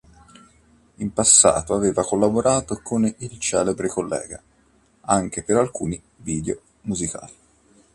In passato aveva collaborato con il celebre collega, anche per alcuni video musicali.